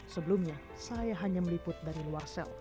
sebelumnya saya hanya meliput dari luar sel